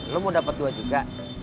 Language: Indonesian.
lo mau dapat dua juga